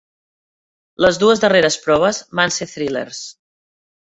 Les dues darreres proves van ser thrillers.